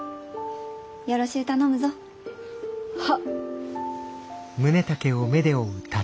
よろしう頼むぞ。は。